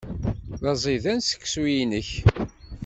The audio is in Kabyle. D aẓidan seksu-nnek.